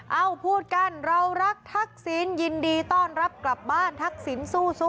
เอ้าพูดกันเรารักทักษิณยินดีต้อนรับกลับบ้านทักษิณสู้